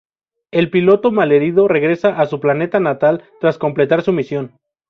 El piloto, mal herido, regresa a su planeta natal tras completar su misión.